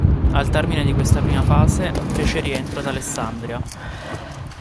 Al termine di questa prima fase fece rientro ad Alessandria.